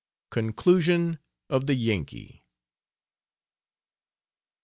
CONCLUSION OF THE YANKEE.